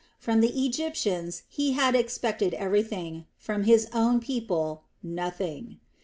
From the Egyptians he had expected everything, from his own people nothing.